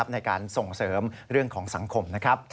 ในการส่งเสริมเรื่องของสังคม